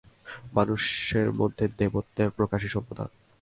মানুষের মধ্যে দেবত্বের প্রকাশই সভ্যতা।